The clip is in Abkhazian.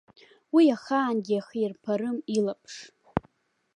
Уи ахаангьы иахирԥарым илаԥш.